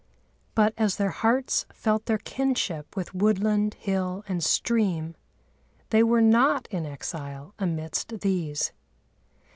But as their hearts felt their kinship with woodland, hill, and stream, they were not in exile amidst these.